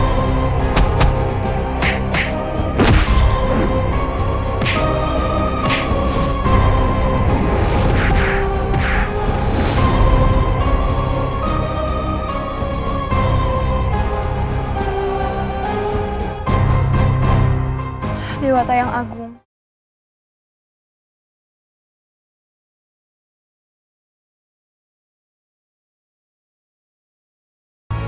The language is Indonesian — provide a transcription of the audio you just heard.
sampai jumpa di video selanjutnya